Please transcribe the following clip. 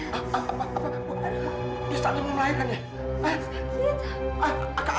dia saatnya mau melahirkan ya